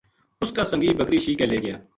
اُس کا سنگی بکری شیک کے لے گیا